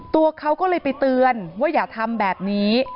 ตัวเขาก็เลยไปเตือนว่าอย่าทำแบบนี้